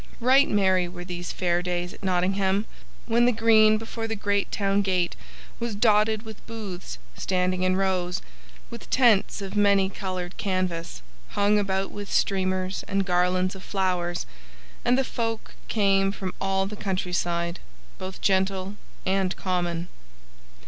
Right merry were these Fair days at Nottingham, when the green before the great town gate was dotted with booths standing in rows, with tents of many colored canvas, hung about with streamers and garlands of flowers, and the folk came from all the countryside, both gentle and common.